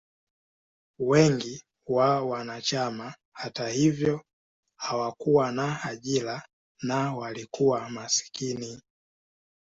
Wengi wa wanachama, hata hivyo, hawakuwa na ajira na walikuwa maskini.